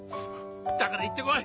だから行って来い！